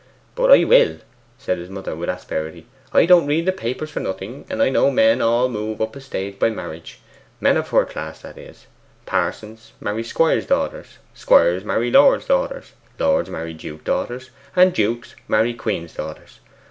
'But I will!' said his mother with asperity. 'I don't read the papers for nothing, and I know men all move up a stage by marriage. Men of her class, that is, parsons, marry squires' daughters; squires marry lords' daughters; lords marry dukes' daughters; dukes marry queens' daughters.